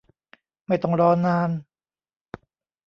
ไม่ต้องรอนาน